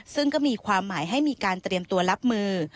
ซึ่งก็มีความหมายให้มีการเตรียมตัวรับมือ